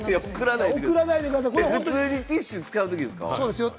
普通にティッシュを使う時ですか？